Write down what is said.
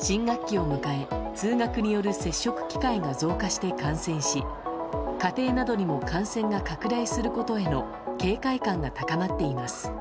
新学期を迎え通学による接触機会が増加して感染し、家庭などにも感染が拡大することへの警戒感が高まっています。